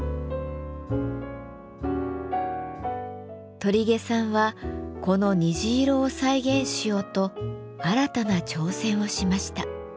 鳥毛さんはこの虹色を再現しようと新たな挑戦をしました。